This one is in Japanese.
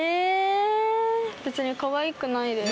別にカワイくないです。